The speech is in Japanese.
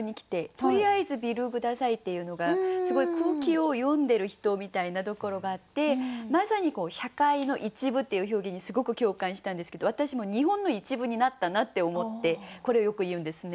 「とりあえずビール下さい」っていうのがすごい空気を読んでる人みたいなところがあってまさに「社会の一部」っていう表現にすごく共感したんですけど私も「日本の一部」になったなって思ってこれをよく言うんですね。